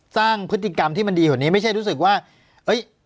สร้างพฤติกรรมที่มันดีกว่านี้ไม่ใช่รู้สึกว่าเอ้ย